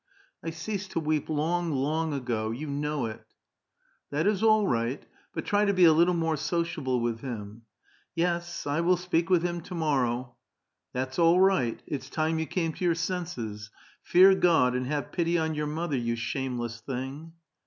" I ceased to weep long, long ago ; you know it." ^^ That is all right [to^o zhe'^ ; but try to be a little more sociable with him." '^ Yes, I will s|)eak with him to morrow." " That's all right [to to] ; it's time you came to your senses. Fear God, and have pity on your mother, you shameless thing